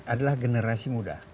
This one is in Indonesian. adalah generasi muda